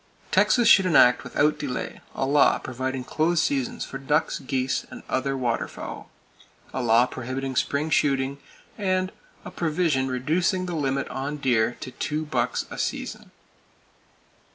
Texas should enact without delay a law providing close seasons for ducks, geese and other waterfowl; A law prohibiting spring shooting, and A provision reducing the limit on deer to two bucks a season.